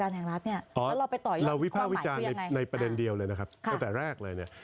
เราวิพาะวิจารณ์ในประเด็นเดียวเลยนะครับตั้งแต่แรกเลยเนี่ย